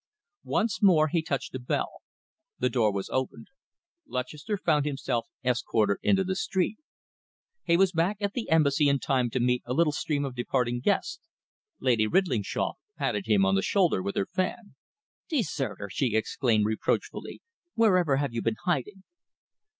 Once more he touched a bell. The door was opened. Lutchester found himself escorted into the street. He was back at the Embassy in time to meet a little stream of departing guests. Lady Ridlingshawe patted him on the shoulder with her fan. "Deserter!" she exclaimed, reproachfully, "Wherever have you been hiding?"